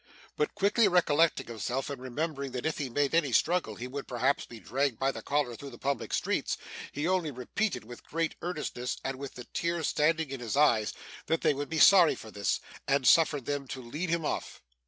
But, quickly recollecting himself, and remembering that if he made any struggle, he would perhaps be dragged by the collar through the public streets, he only repeated, with great earnestness and with the tears standing in his eyes, that they would be sorry for this and suffered them to lead him off.